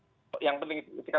makanya ini sangat penting sekali